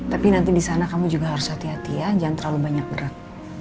tapi nanti di sana kamu juga harus hati hati ya jangan terlalu banyak berat